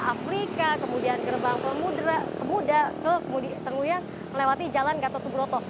afrika kemudian gerbang kemudah kemudian melewati jalan gatot suburoto